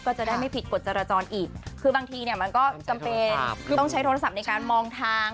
ก็จะได้ไม่ผิดกฎจราจรอีกคือบางทีเนี่ยมันก็จำเป็นต้องใช้โทรศัพท์ในการมองทาง